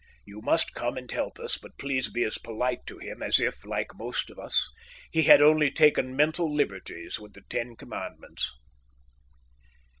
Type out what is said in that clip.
You must come and help us; but please be as polite to him as if, like most of us, he had only taken mental liberties with the Ten Commandments."